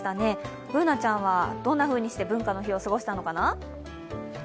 Ｂｏｏｎａちゃんはどんなふうにして文化の日を過ごしたのかな？